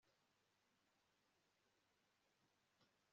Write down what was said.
baririmbe bati indyo y'uhoraho yagaragaje ibigwi